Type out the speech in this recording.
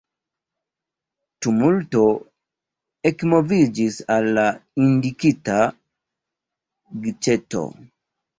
Tumulto ekmoviĝis al la indikita giĉeto.